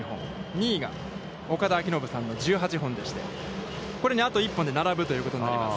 ２位が岡田彰布さんの１８本でして、これにあと１本で並ぶということになります。